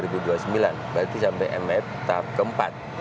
berarti sampai mf tahap keempat